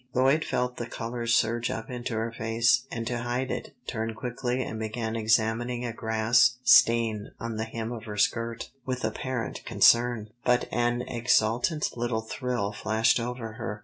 Lloyd felt the colour surge up into her face, and to hide it, turned quickly and began examining a grass stain on the hem of her skirt, with apparent concern. But an exultant little thrill flashed over her.